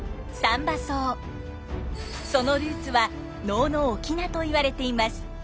そのルーツは能の「翁」といわれています。